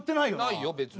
ないよ別に。